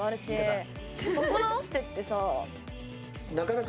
そこ直してってさ。